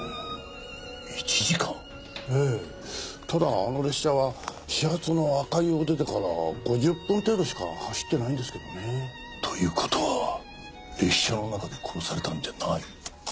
ただあの列車は始発の赤湯を出てから５０分程度しか走ってないんですけどね。という事は列車の中で殺されたんじゃない？